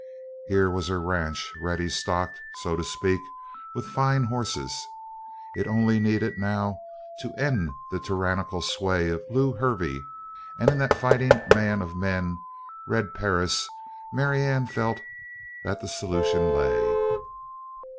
Here was her ranch ready stocked, so to speak, with fine horses. It only needed, now, to end the tyrannical sway of Lew Hervey and in that fighting man of men, Red Perris, Marianne felt that the solution lay.